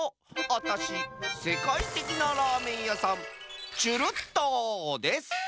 アタシせかいてきなラーメンやさんチュルットです！